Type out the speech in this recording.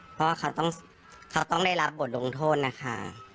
เพราะว่าเขาต้องได้รับบทลงโทษนะคะ